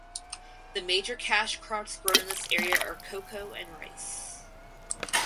The major cash crops grown in this area are cocoa and Rice.